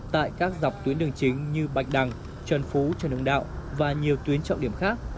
tại các dọc tuyến đường chính như bạch đằng trần phú trần hưng đạo và nhiều tuyến trọng điểm khác